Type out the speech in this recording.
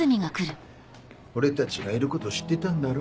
俺たちがいること知ってたんだろ。